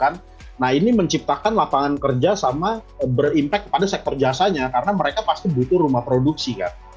nah ini menciptakan lapangan kerja sama berimpak pada sektor jasanya karena mereka pasti butuh rumah produksi